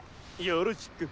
よろしく。